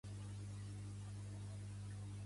De quina manera va crear els planetes i els éssers vius?